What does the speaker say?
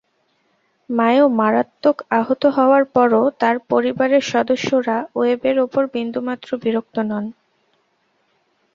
Mayo মারাত্মক আহত হওয়ার পরও তাঁর পরিবারের সদস্যরা ওয়েবের ওপর বিন্দুমাত্র বিরক্ত নন।